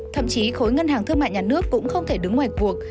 thậm chí khối ngân hàng thương mại nhà nước cũng không thể đứng ngoài cuộc